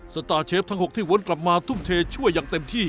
สตาร์เชฟทั้ง๖ที่วนกลับมาทุ่มเทช่วยอย่างเต็มที่